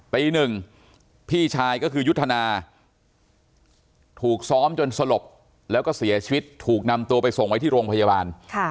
ปีหนึ่งพี่ชายก็คือยุทธนาถูกซ้อมจนสลบแล้วก็เสียชีวิตถูกนำตัวไปส่งไว้ที่โรงพยาบาล